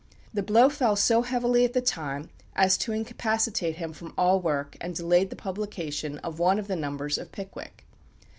The blow fell so heavily at the time as to incapacitate him from all work, and delayed the publication of one of the numbers of "Pickwick."